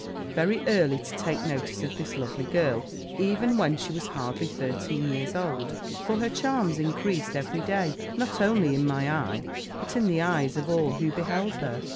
"very early to take notice of this lovely girl, even when she was hardly thirteen years old; for her charms increased every day, not only in my eye, but in the eyes of all who beheld her.